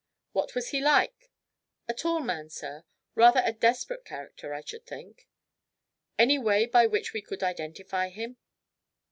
"What was he like?" "A tall man, sir. Rather a desperate character, I should think." "Any way by which we could identify him?"